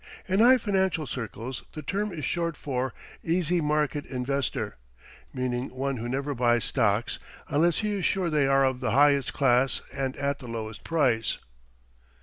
In high financial circles the term is short for 'easy market investor,' meaning one who never buys stocks unless he is sure they are of the highest class and at the lowest price."